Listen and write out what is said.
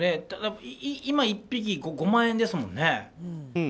ただ、１匹５万円ですもんね。